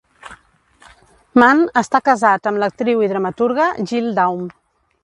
Mann està casat amb l'actriu i dramaturga Jill Daum